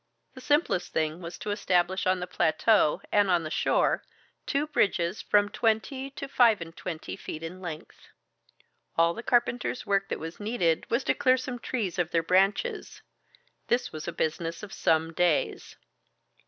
The simplest thing was to establish on the plateau, and on the shore, two bridges from twenty to five and twenty feet in length. All the carpenter's work that was needed was to clear some trees of their branches: this was a business of some days.